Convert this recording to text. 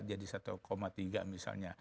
jadi satu tiga juta misalnya